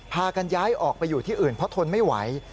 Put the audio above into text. พากันย้ายออกไปอยู่ที่อื่นเพราะทนไม่ไหว